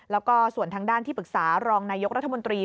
แล้วก็ส่วนทางด้านที่ปรึกษารองนายกรัฐมนตรี